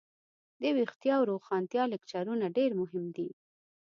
دویښتیا او روښانتیا لکچرونه ډیر مهم دي.